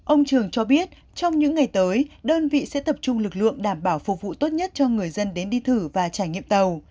ông trường cho biết trong những ngày tới đơn vị sẽ tập trung lực lượng đảm bảo phục vụ tốt nhất cho người dân đến đi thử và trải nghiệm tàu